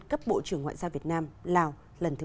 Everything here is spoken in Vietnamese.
cấp bộ trưởng ngoại giao việt nam lào lần thứ bảy